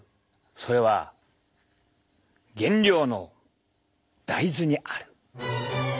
それは原料の大豆にある。